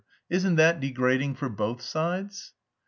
Isn't that degrading for both sides?"